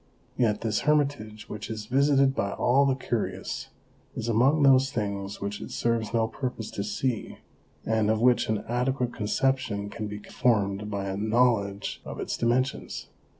Yet this hermitage, which is visited by all the curious, is among those things which it serves no purpose to see, and of which an adequate conception can be formed by a knowledge of its dimensions.